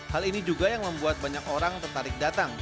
hal ini juga yang membuat banyak orang tertarik datang